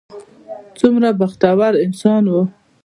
څومره بختور انسان و.